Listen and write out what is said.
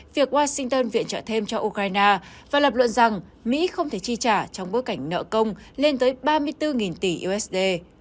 việc washington viện trợ thêm cho ukraine và lập luận rằng mỹ không thể chi trả trong bối cảnh nợ công lên tới ba mươi bốn tỷ usd